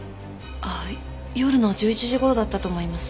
ああ夜の１１時頃だったと思います。